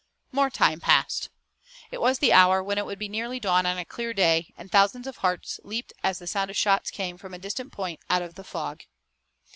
More time passed. It was the hour when it would be nearly dawn on a clear day, and thousands of hearts leaped as the sound of shots came from a distant point out of the fog.